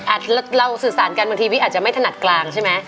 เราสื่อสารกันบางทีวิอาจจะไม่ถนัดกลางใช่ไหม